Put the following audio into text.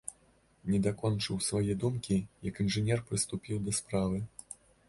Не дакончыў свае думкі, як інжынер прыступіў да справы.